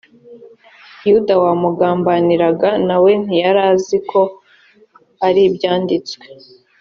yuda wamugambaniraga na we ntiyarazi ko aribyanditswe.